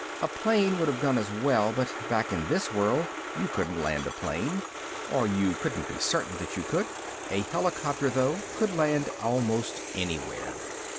A plane would have done as well, but back in this world, you couldn't land a plane or you couldn't be certain that you could. A helicopter, though, could land almost anywhere.